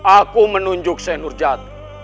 aku menunjuk senurjata